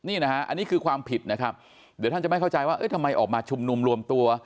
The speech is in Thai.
อันนี้คือความผิดเดี๋ยวท่านจะไม่เข้าใจว่าทำไมออกมาชุมนุมรวมตัว